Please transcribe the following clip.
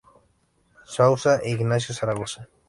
Zuazua e Ignacio Zaragoza.